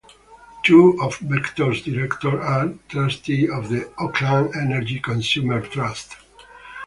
Two of Vector's directors are trustees of the Auckland Energy Consumer Trust.